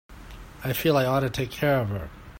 I feel I ought to take care of her.